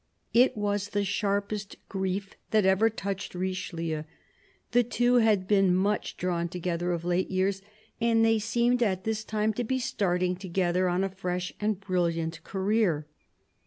It was the sharpest grief that ever touched Richelieu. The two had been much drawn together of late years, and they seemed at this very time to be starting together on a fresh and brilliant career.